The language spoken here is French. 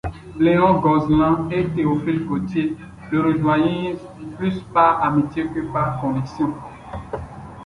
Léon Gozlan et Théophile Gautier le rejoignirent plus par amitié que par conviction.